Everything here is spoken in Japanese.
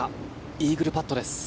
イーグルパットです。